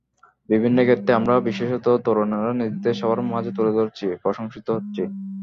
বিভিন্ন ক্ষেত্রেই আমরা বিশেষত তরুণেরা নিজেদের সবার মাঝে তুলে ধরছি, প্রশংসিত হচ্ছি।